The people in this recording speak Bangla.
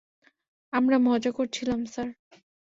আমরা মজা করছিলাম, স্যার।